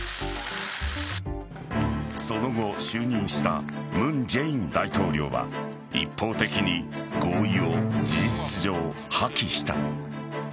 その後、就任した文在寅大統領は一方的に合意を事実上破棄した。